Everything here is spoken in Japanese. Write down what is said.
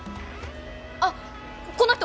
あっこの人！